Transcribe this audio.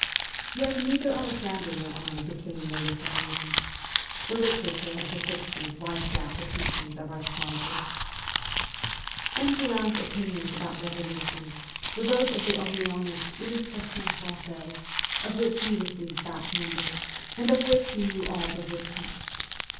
Yet neither Alexander nor I became military men. The literature of the sixties wiped out the teachings of our childhood. M. Poulain's opinions about revolutions were those of the Orleanist ' Illustration Fran9aise,' of which he received back numbers, and of which we knew all the woodcuts.